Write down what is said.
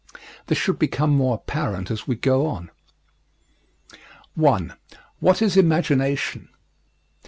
This should become more apparent as we go on. I. WHAT IS IMAGINATION?